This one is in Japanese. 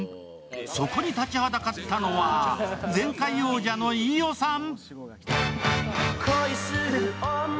そこに立ちはだかったのは、前回王者の飯尾さん。